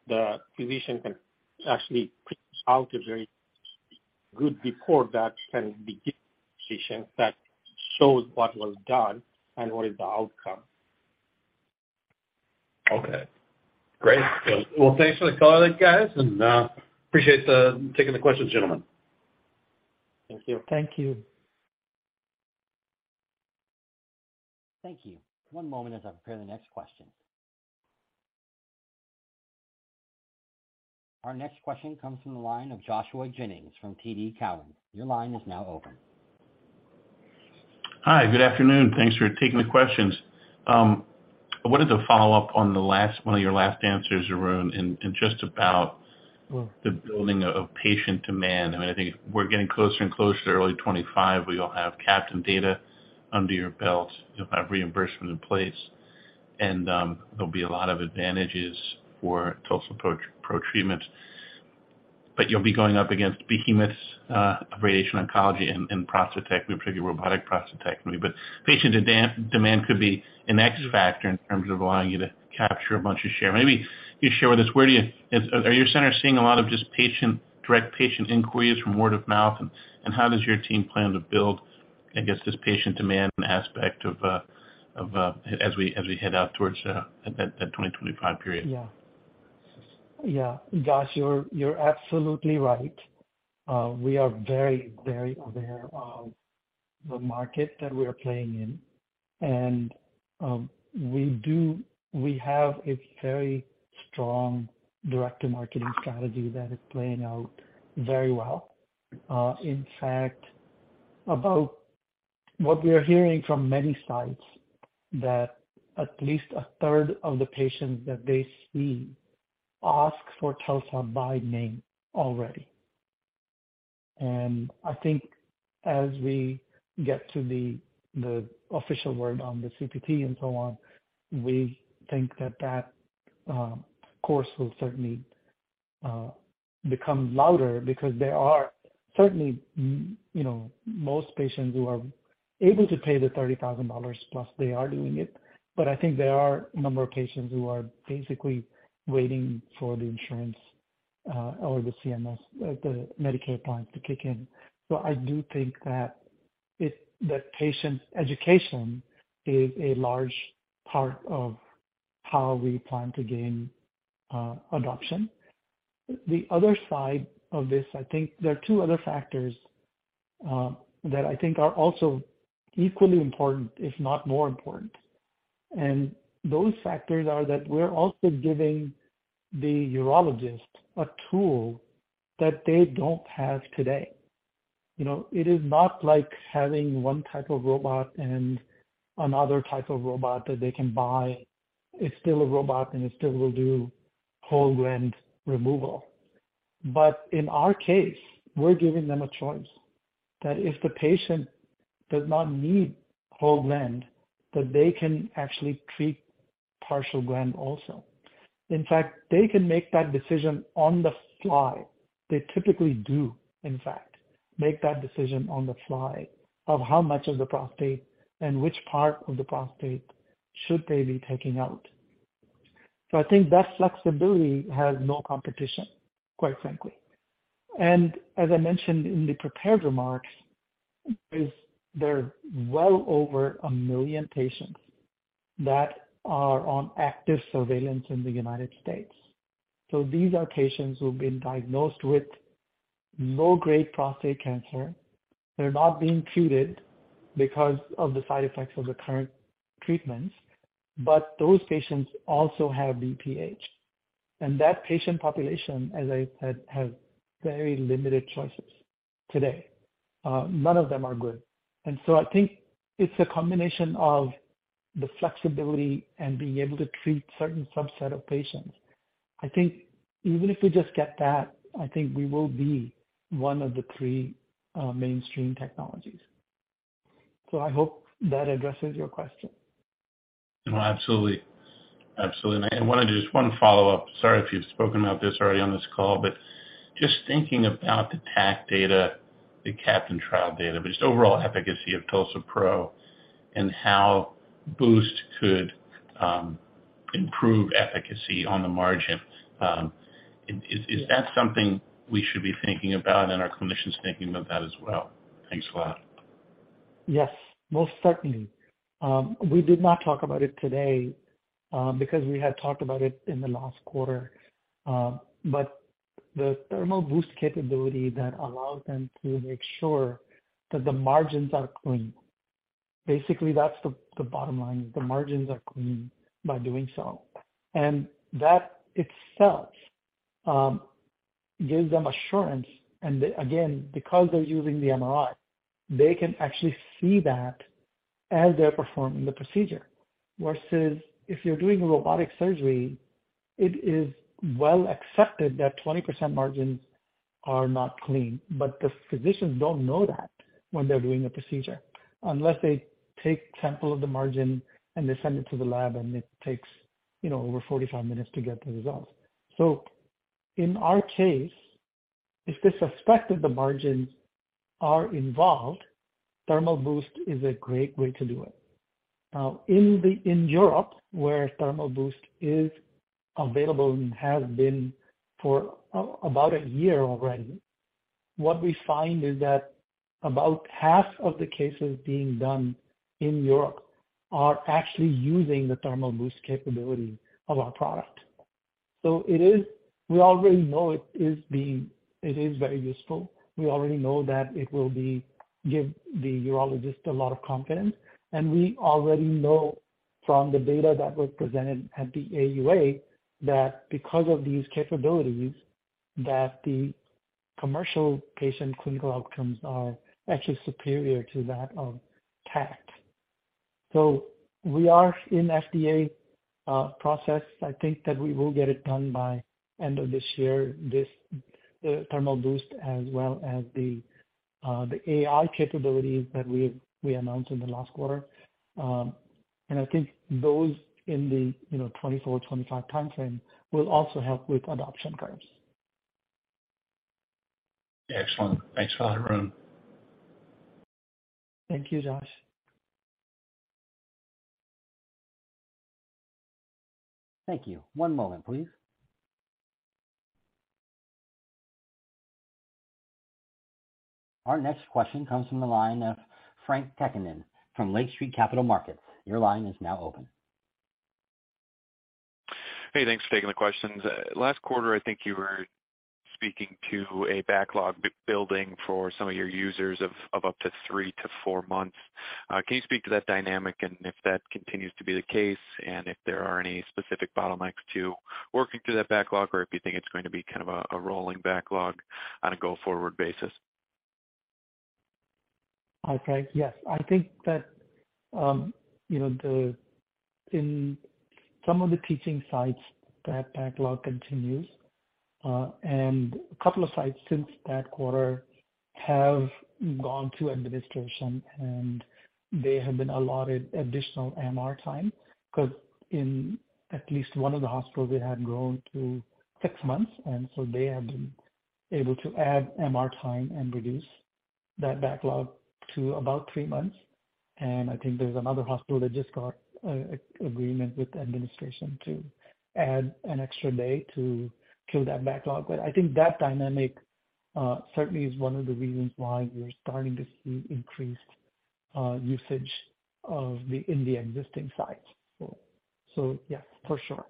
the physician can actually print out a very good report that can be given to the patient that shows what was done and what is the outcome. Okay. Great. Well, thanks for the color, guys, and appreciate taking the questions, gentlemen. Thank you. Thank you. Thank you. One moment as I prepare the next question. Our next question comes from the line of Joshua Jennings from TD Cowen. Your line is now open. Hi, good afternoon. Thanks for taking the questions. I wanted to follow up on one of your last answers, Arun, in just about. Mm-hmm. The building of patient demand. I mean, I think we're getting closer and closer to early 2025. We all have CAPTAIN data under your belt. You'll have reimbursement in place. There'll be a lot of advantages for TULSA-PRO treatment. You'll be going up against behemoths of radiation oncology and prostatectomy, particularly robotic prostatectomy. Patient demand could be an X factor in terms of allowing you to capture a bunch of share. Maybe you share with us, where are your centers seeing a lot of just direct patient inquiries from word of mouth, and how does your team plan to build, I guess, this patient demand aspect as we head out towards that 2025 period? Yeah. Yeah. Josh, you're absolutely right. We are very aware of the market that we're playing in. We have a very strong direct-to-marketing strategy that is playing out very well. In fact, about what we are hearing from many sites that at least a third of the patients that they see ask for TULSA by name already. I think as we get to the official word on the CPT and so on, we think that course will certainly become louder because there are certainly you know, most patients who are able to pay the $30,000 plus they are doing it. I think there are a number of patients who are basically waiting for the insurance, or the CMS, the Medicare plan to kick in. I do think that the patient education is a large part of how we plan to gain adoption. The other side of this, I think there are two other factors that I think are also equally important, if not more important. Those factors are that we're also giving the urologist a tool that they don't have today. You know, it is not like having one type of robot and another type of robot that they can buy. It's still a robot, and it still will do whole gland removal. In our case, we're giving them a choice that if the patient does not need whole gland, that they can actually treat partial gland also. In fact, they can make that decision on the fly. They typically do, in fact, make that decision on the fly of how much of the prostate and which part of the prostate should they be taking out. I think that flexibility has no competition, quite frankly. As I mentioned in the prepared remarks, there are well over one million patients that are on active surveillance in the United States. These are patients who've been diagnosed with low-grade prostate cancer. They're not being treated because of the side effects of the current treatments, but those patients also have BPH. That patient population, as I said, have very limited choices today. None of them are good. I think it's a combination of the flexibility and being able to treat certain subset of patients. I think even if we just get that, I think we will be one of the three mainstream technologies. I hope that addresses your question. No, absolutely. Absolutely. I want to do just one follow-up. Sorry if you've spoken about this already on this call, but just thinking about the TACT data, the CAPTAIN trial data, but just overall efficacy of TULSA-PRO and how Thermal Boost could improve efficacy on the margin. Is that something we should be thinking about and are clinicians thinking about that as well? Thanks a lot. Yes, most certainly. We did not talk about it today, because we had talked about it in the last quarter. The Thermal Boost capability that allows them to make sure that the margins are clean. Basically, that's the bottom line. The margins are clean by doing so. That itself gives them assurance. Again, because they're using the MRI, they can actually see that as they're performing the procedure. Versus if you're doing robotic surgery, it is well accepted that 20% margins are not clean. The physicians don't know that when they're doing a procedure, unless they take sample of the margin and they send it to the lab, and it takes, you know, over 45 minutes to get the results. In our case, if the suspect of the margins are involved, Thermal Boost is a great way to do it. In Europe, where Thermal Boost is available and has been for about 1 year already, what we find is that about half of the cases being done in Europe are actually using the Thermal Boost capability of our product. We already know it is very useful. We already know that it will give the urologist a lot of confidence. We already know from the data that was presented at the AUA that because of these capabilities, that the commercial patient clinical outcomes are actually superior to that of TACT. We are in FDA process. I think that we will get it done by end of this year, this, Thermal Boost as well as the AI capabilities that we announced in the last quarter. I think those in the, you know, 2024, 2025 timeframe will also help with adoption curves. Excellent. Thanks a lot, Arun. Thank you, Josh. Thank you. One moment, please. Our next question comes from the line of Frank Takkinen from Lake Street Capital Markets. Your line is now open. Hey, thanks for taking the questions. Last quarter, I think you were speaking to a backlog building for some of your users of up to three to four months. Can you speak to that dynamic and if that continues to be the case and if there are any specific bottlenecks to working through that backlog or if you think it's going to be kind of a rolling backlog on a go-forward basis? Hi, Frank. Yes. I think that, you know, In some of the teaching sites, that backlog continues. A couple of sites since that quarter have gone through administration, and they have been allotted additional MR time, 'cause in at least one of the hospitals, it had grown to six months, and they have been able to add MR time and reduce that backlog to about three months. I think there's another hospital that just got an agreement with the administration to add an extra day to kill that backlog. I think that dynamic, certainly is one of the reasons why we're starting to see increased usage of the in the existing sites. Yes, for sure.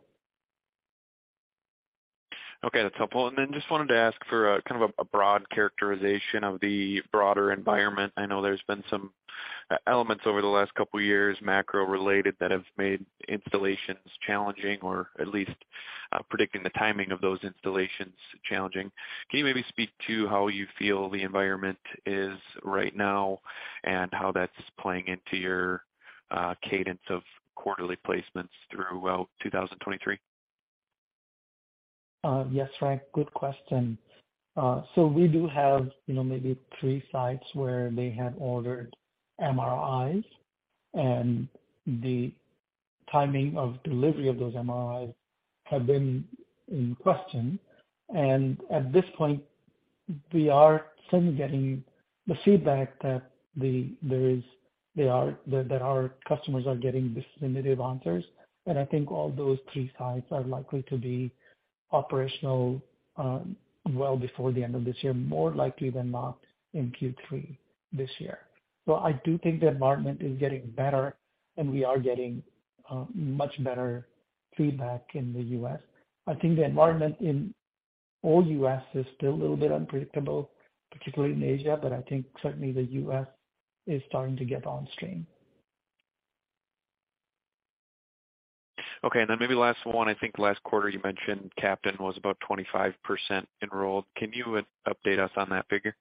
Okay, that's helpful. just wanted to ask for a kind of a broad characterization of the broader environment. I know there's been some elements over the last couple years, macro-related, that have made installations challenging or at least predicting the timing of those installations challenging. Can you maybe speak to how you feel the environment is right now and how that's playing into your cadence of quarterly placements throughout 2023? Yes, Frank, good question. We do have, you know, maybe three sites where they had ordered MRIs, and the timing of delivery of those MRIs have been in question. At this point, we are suddenly getting the feedback that our customers are getting definitive answers. I think all those three sites are likely to be operational, well before the end of this year, more likely than not in Q3 this year. I do think the environment is getting better, and we are getting much better feedback in the U.S. I think the environment in all U.S. is still a little bit unpredictable, particularly in Asia, I think certainly the U.S. is starting to get on stream. Okay. Maybe last one. I think last quarter you mentioned CAPTAIN was about 25% enrolled. Can you update us on that figure?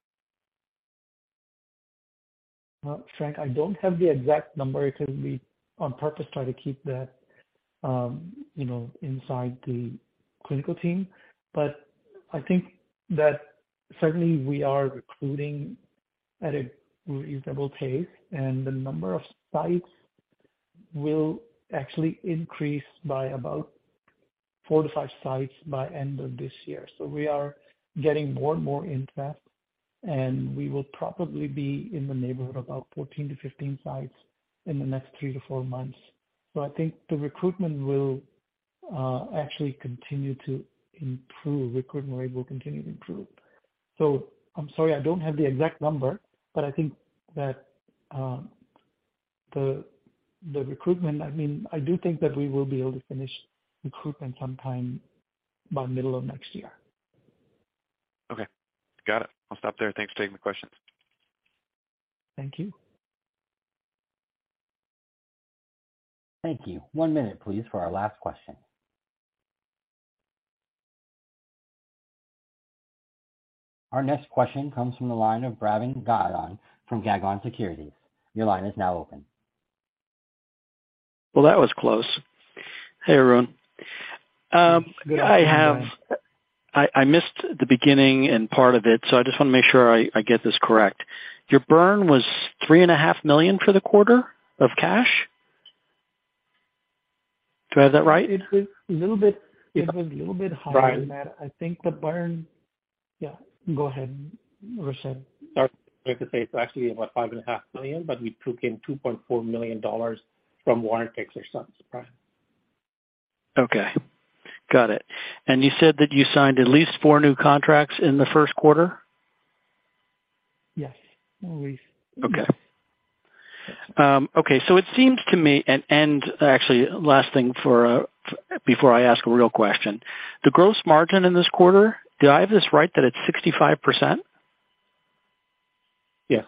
Frank, I don't have the exact number because we on purpose try to keep that, you know, inside the clinical team. I think that certainly we are recruiting at a reasonable pace, and the number of sites will actually increase by about four-five sites by end of this year. We are getting more and more interest, and we will probably be in the neighborhood of about 14-15 sites in the next three-four months. I think the recruitment will actually continue to improve. Recruitment rate will continue to improve. I'm sorry I don't have the exact number, but I think that, the recruitment, I mean, I do think that we will be able to finish recruitment sometime by middle of next year. Okay. Got it. I'll stop there. Thanks for taking the question. Thank you. Thank you. One minute please for our last question. Our next question comes from the line of Brian Gagnon from Gagnon Securities. Your line is now open. Well, that was close. Hey, Arun. Good afternoon. I missed the beginning and part of it, so I just want to make sure I get this correct. Your burn was three and a half million dollars for the quarter of cash? Do I have that right? It was a little bit higher than that. Right. I think the burn... Yeah, go ahead, Rusan. Sorry. Like to say it's actually about five and a half million, we took in $2.4 million from warrant exercises or something. Okay. Got it. You said that you signed at least four new contracts in the Q1? Yes. At least. Okay. Okay. It seems to me, and actually last thing for, before I ask a real question, the gross margin in this quarter, do I have this right that it's 65%? Yeah.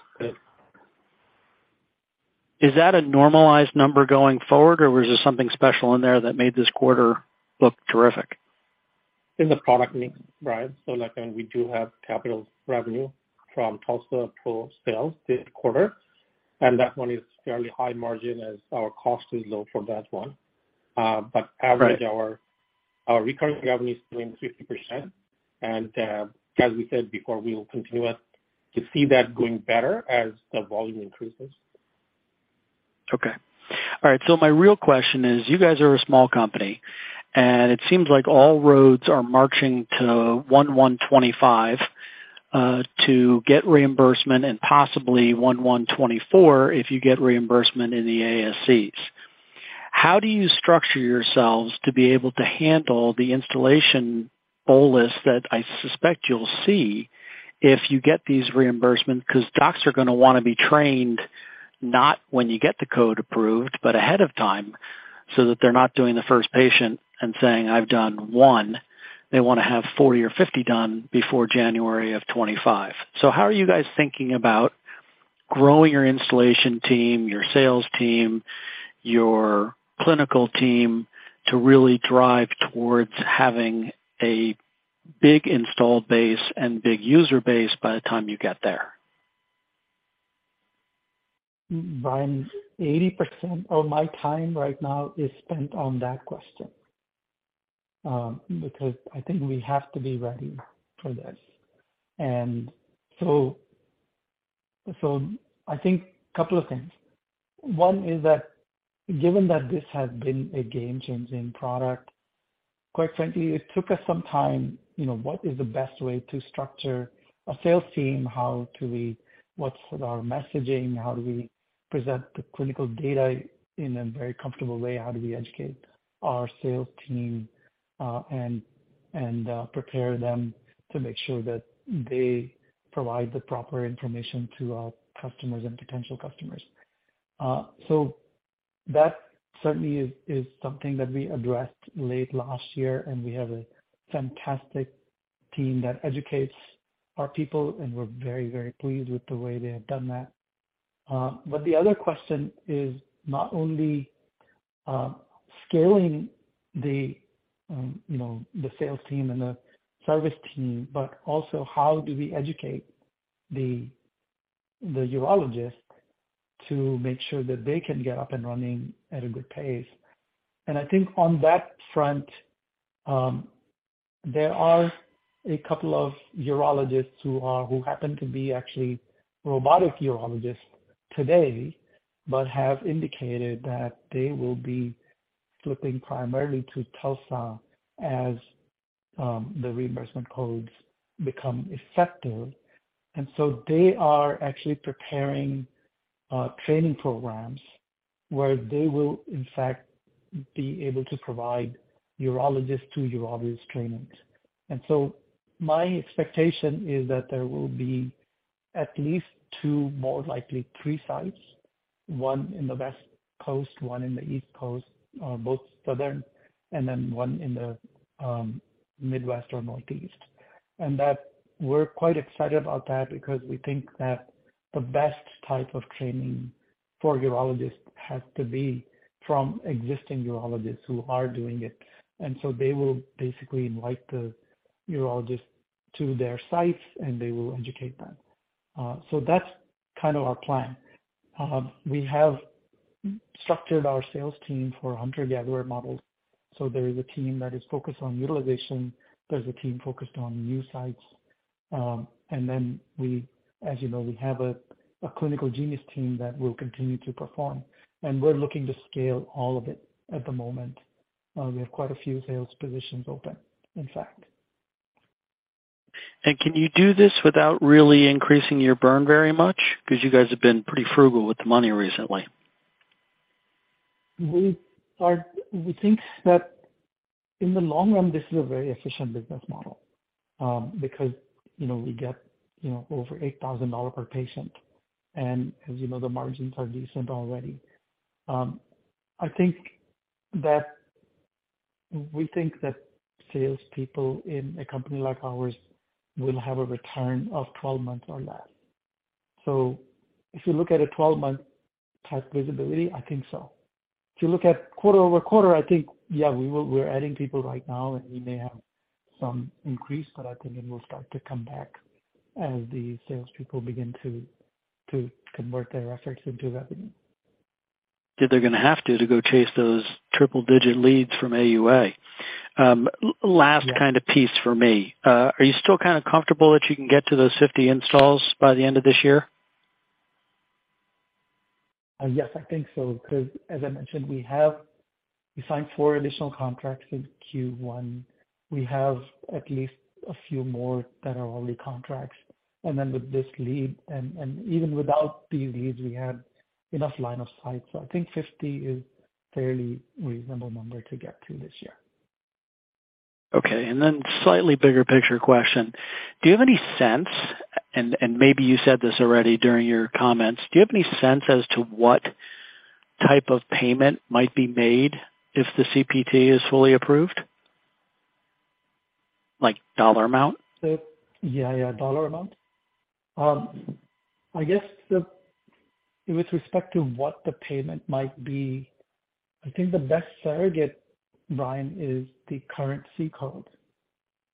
Is that a normalized number going forward, or was there something special in there that made this quarter look terrific? In the product mix, right. When we do have capital revenue from TULSA-PRO sales this quarter, that one is fairly high margin as our cost is low for that one. Right. average our recurring revenue is doing 50%. As we said before, we will continue to see that going better as the volume increases. Okay. All right. My real question is, you guys are a small company, and it seems like all roads are marching to 1/1/2025 to get reimbursement and possibly 1/1/2024, if you get reimbursement in the ASCs. How do you structure yourselves to be able to handle the installation bolus that I suspect you'll see if you get these reimbursements? Because docs are gonna wanna be trained not when you get the code approved, but ahead of time, so that they're not doing the first patient and saying, "I've done one." They wanna have 40 or 50 done before January of 2025. How are you guys thinking about growing your installation team, your sales team, your clinical team to really drive towards having a big install base and big user base by the time you get there? Brian, 80% of my time right now is spent on that question. Because I think we have to be ready for this. I think couple of things. One is that given that this has been a game-changing product, quite frankly, it took us some time, you know, what is the best way to structure a sales team? What's our messaging? How do we present the clinical data in a very comfortable way? How do we educate our sales team and prepare them to make sure that they provide the proper information to our customers and potential customers? That certainly is something that we addressed late last year, and we have a fantastic team that educates our people, and we're very, very pleased with the way they have done that. The other question is not only, you know, scaling the sales team and the service team, but also how do we educate the urologist to make sure that they can get up and running at a good pace. I think on that front, there are a couple of urologists who are, who happen to be actually robotic urologists today, but have indicated that they will be flipping primarily to TULSA as the reimbursement codes become effective. They are actually preparing training programs where they will in fact be able to provide urologists to urologist trainings. My expectation is that there will be at least 2, more likely 3 sites, one in the West Coast, one in the East Coast, both Southern, and then one in the Midwest or Northeast. That we're quite excited about that because we think that the best type of training for urologists has to be from existing urologists who are doing it. They will basically invite the urologist to their sites and they will educate them. That's kind of our plan. We have structured our sales team for 100 Jaguar models. There is a team that is focused on utilization. There's a team focused on new sites. Then we, as you know, we have a clinical genius team that will continue to perform. We're looking to scale all of it at the moment. We have quite a few sales positions open, in fact. Can you do this without really increasing your burn very much? 'Cause you guys have been pretty frugal with the money recently. We think that in the long run, this is a very efficient business model, because, you know, we get, you know, over $8,000 per patient and as you know, the margins are decent already. We think that sales people in a company like ours will have a return of 12 months or less. If you look at a 12-month type visibility, I think so. If you look at quarter over quarter, I think, yeah, we will. We're adding people right now, and we may have some increase, but I think it will start to come back as the sales people begin to convert their efforts into revenue. They're gonna have to go chase those triple-digit leads from AUA. Last kind of piece for me. Are you still kinda comfortable that you can get to those 50 installs by the end of this year? Yes, I think so. 'Cause as I mentioned, We signed four additional contracts in Q1. We have at least a few more that are only contracts. With this lead and even without these leads, we have enough line of sight. I think 50 is fairly reasonable number to get to this year. Okay. Then slightly bigger picture question. Do you have any sense, and maybe you said this already during your comments, do you have any sense as to what type of payment might be made if the CPT is fully approved? Like, dollar amount? Yeah, yeah, dollar amount. I guess the, with respect to what the payment might be, I think the best surrogate, Brian, is the current C-code.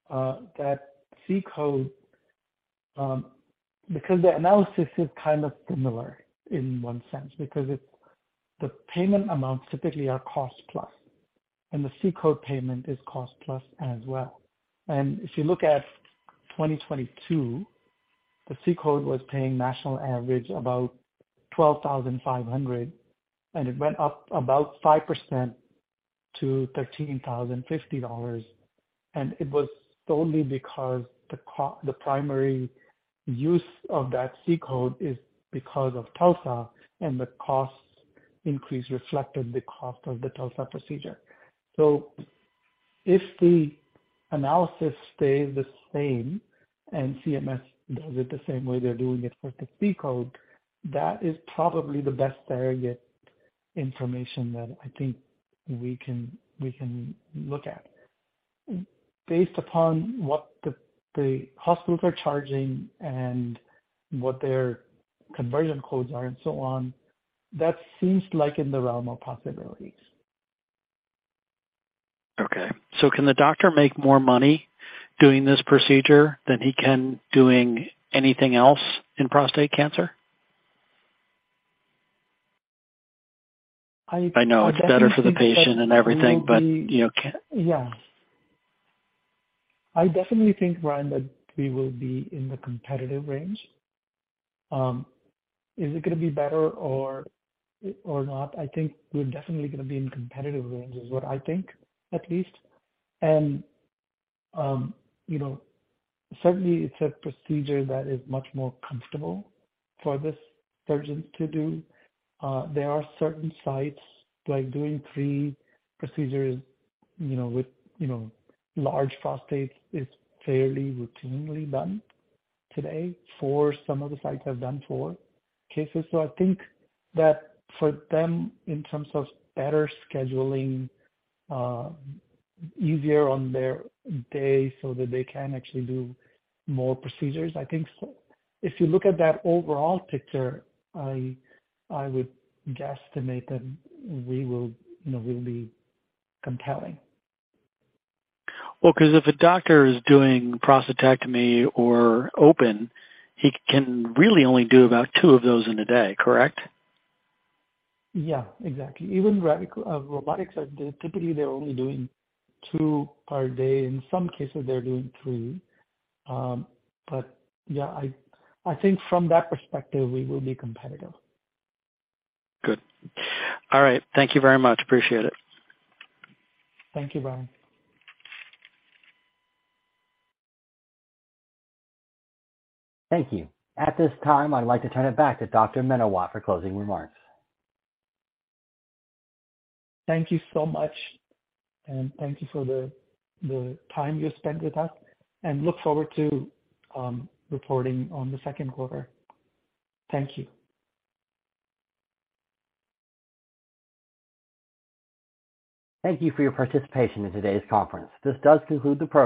That C-code, because the analysis is kind of similar in one sense because it's, the payment amounts typically are cost plus, and the C-code payment is cost plus as well. If you look at 2022, the C-code was paying national average about $12,500, and it went up about 5% to $13,050. It was solely because the primary use of that C-code is because of TULSA, and the cost increase reflected the cost of the TULSA procedure. If the analysis stays the same and CMS does it the same way they're doing it for the C-code, that is probably the best surrogate information that I think we can look at. Based upon what the hospitals are charging and what their conversion codes are and so on, that seems like in the realm of possibilities. Okay. Can the doctor make more money doing this procedure than he can doing anything else in prostate cancer? I- I know it's better for the patient and everything, but, you know. Yeah. I definitely think, Brian, that we will be in the competitive range. Is it gonna be better or not? I think we're definitely gonna be in competitive range is what I think, at least. You know, certainly it's a procedure that is much more comfortable for the surgeons to do. There are certain sites like doing three procedures, you know, with, you know, large prostate is fairly routinely done today. Four, some of the sites have done four cases. I think that for them, in terms of better scheduling, easier on their day so that they can actually do more procedures, I think so. If you look at that overall picture, I would guesstimate that we will, you know, we'll be compelling. Well, 'cause if a doctor is doing prostatectomy or open, he can really only do about two of those in a day, correct? Yeah, exactly. Even robotics are, typically they're only doing two per day. In some cases, they're doing three. Yeah, I think from that perspective, we will be competitive. Good. All right. Thank you very much. Appreciate it. Thank you, Brian. Thank you. At this time, I'd like to turn it back to Dr. Menawat for closing remarks. Thank you so much, and thank you for the time you spent with us, and look forward to reporting on the Q2. Thank you. Thank you for your participation in today's conference. This does conclude the program.